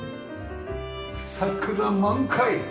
桜満開！